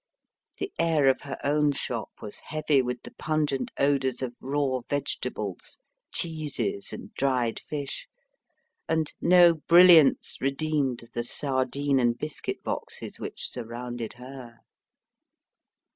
The air of her own shop was heavy with the pungent odours of raw vegetables, cheeses, and dried fish, and no brilliance redeemed the sardine and biscuit boxes which surrounded her.